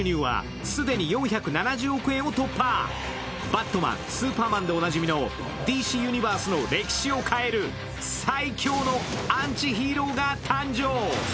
「バットマン」、「スーパーマン」でおなじみのＤＣユニバースの歴史を変える最恐のアンチヒーローが誕生。